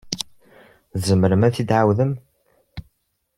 Tzemrem ad t-id-tɛawdem?